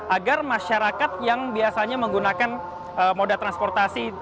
agar masyarakat yang biasanya menggunakan moda transportasi